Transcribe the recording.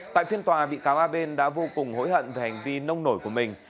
tại phiên tòa bị cáo a bên đã vô cùng hối hận về hành vi nông nổi của mình